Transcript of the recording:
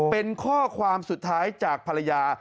เป็นข้อความสุดท้ายจากภรรยา